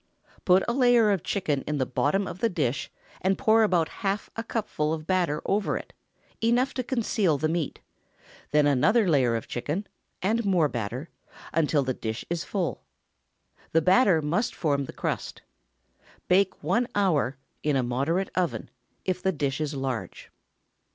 Put a layer of chicken in the bottom of the dish, and pour about half a cupful of batter over it—enough to conceal the meat; then, another layer of chicken, and more batter, until the dish is full. The batter must form the crust. Bake one hour, in a moderate oven, if the dish is large.